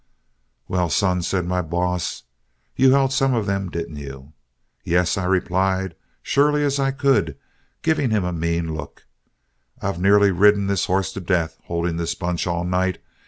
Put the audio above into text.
"'Well, son,' said my boss, 'you held some of them, didn't you?' 'Yes,' I replied, surly as I could, giving him a mean look, 'I've nearly ridden this horse to death, holding this bunch all night.